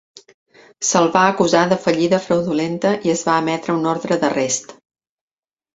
Se'l va acusar de fallida fraudulenta i es va emetre una ordre d'arrest.